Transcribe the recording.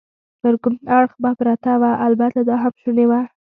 پر کوم اړخ به پرته وه؟ البته دا هم شونې وه.